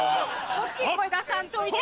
大っきい声出さんといて。